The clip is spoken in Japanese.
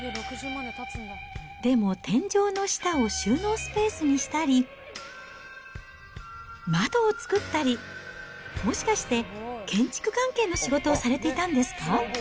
でも天井の下を収納スペースにしたり、窓を作ったり、もしかして、建築関係の仕事をされていたんですか？